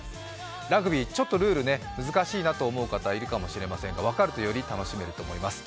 ラグビー、ちょっとルールが難しいなと思う方、いるかと思いますが分かるとより楽しいと思います。